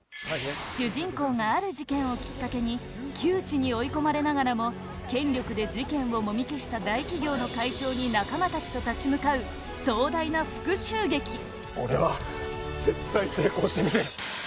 主人公がある事件をきっかけに窮地に追い込まれながらも権力で事件をもみ消した大企業の会長に仲間たちと立ち向かう、壮大な復讐劇宮部：俺は絶対成功してみせる！